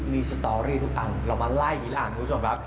มีสตอรี่ทุกอันเรามาไล่อย่างนี้ละกันคุณผู้ชมครับ